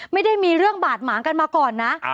ไม่ได้มีเรื่องบาดหมางกันมาก่อนนะ